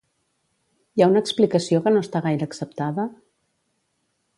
Hi ha una explicació que no està gaire acceptada?